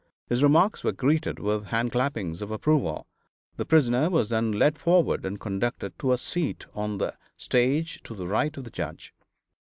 His remarks were greeted with hand clappings of approval. The prisoner was then led forward and conducted to a seat on the stage to the right of the judge.